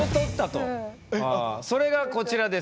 それがこちらです。